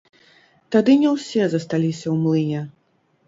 Тады не ўсе засталіся ў млыне.